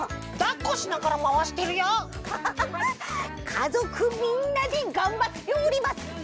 かぞくみんなでがんばっております！